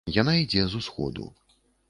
Яна ідзе з усходу.